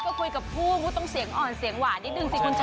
ก็คุยกับผู้ก็ต้องเสียงอ่อนเสียงหวานนิดนึงสิคุณชนะ